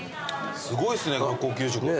すごいっすね学校給食。